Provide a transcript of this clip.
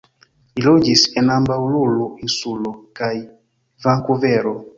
Li loĝis en ambaŭ Lulu-insulo kaj Vankuvero.